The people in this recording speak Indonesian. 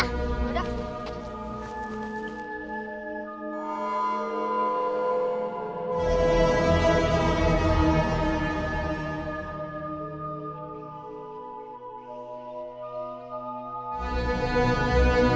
kita pulang aja yuk